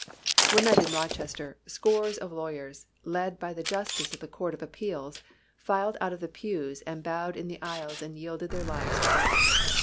One night in Rochester, scores of lawyers, led by the justice of the Court of Appeals, filed out of the pews and bowed in the aisles and yielded their lives to God.